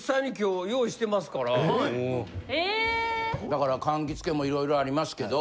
だから柑橘系もいろいろありますけど。